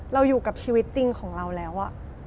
เราอยู่กับชีวิตจริงของเราแล้ว